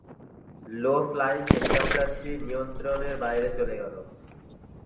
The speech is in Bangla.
লো-ফ্লাইং হেলিকপ্টারটি নিয়ন্ত্রণের বাইরে চলে গেল।